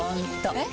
えっ？